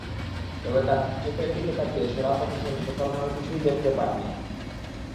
তবে তার চোখের দিকে তাকিয়ে শরাফত হোসেন প্রতারণার কিছুই দেখতে পাননি।